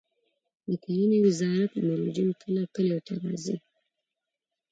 د کرنې وزارت مروجین کله کلیو ته راځي؟